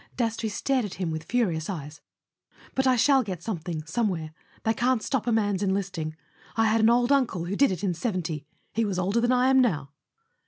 Dastrey stared at him with furious eyes. "But I shall get something, somewhere ... they can't stop a man's enlisting ... I had an old uncle who did it in 'seventy ... he was older than I am now."